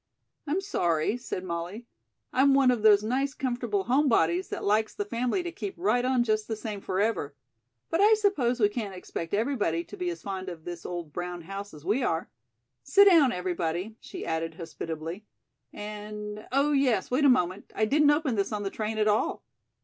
"I'm sorry," said Molly. "I'm one of those nice comfortable home bodies that likes the family to keep right on just the same forever, but I suppose we can't expect everybody to be as fond of this old brown house as we are. Sit down, everybody," she added, hospitably. "And oh, yes, wait a moment I didn't open this on the train at all."